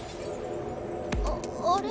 ああれ？